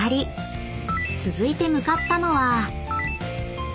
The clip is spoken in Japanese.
［続いて向かったのは］